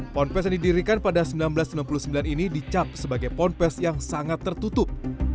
pond pesantren yang didirikan pada seribu sembilan ratus sembilan puluh sembilan ini dicap sebagai pond pesantren yang sangat tertutup